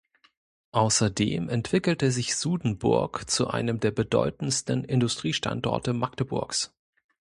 Außerdem entwickelte sich Sudenburg zu einem der bedeutendsten Industriestandorte Magdeburgs.